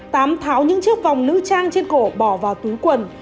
tám tháo những chiếc vòng nữ trang trên cổ bỏ vào túi quần